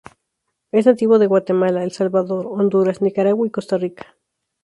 Es nativo de Guatemala, El Salvador, Honduras, Nicaragua y Costa Rica.